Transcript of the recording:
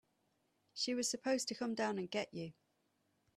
She was supposed to come down and get you.